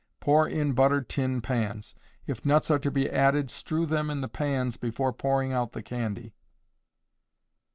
Pour in buttered tin pans. If nuts are to be added strew them in the pans before pouring out the candy.